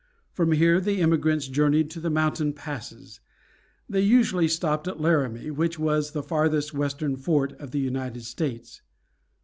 From here the emigrants journeyed to the mountain passes. They usually stopped at Laramie, which was the farthest western fort of the United States.